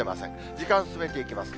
時間進めていきます。